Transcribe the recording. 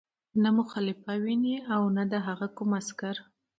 نه مو خلیفه ویني او نه د هغه کوم عسکر.